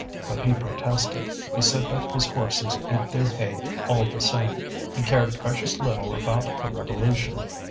But he protested; he said that his horses ate their hay all the same, and cared precious little about a revolution.